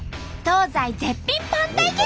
東西絶品パン対決！